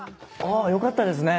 あよかったですね。